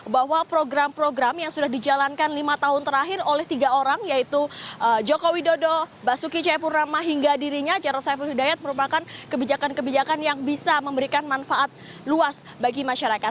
bahwa program program yang sudah dijalankan lima tahun terakhir oleh tiga orang yaitu joko widodo basuki cahayapurnama hingga dirinya jarod saiful hidayat merupakan kebijakan kebijakan yang bisa memberikan manfaat luas bagi masyarakat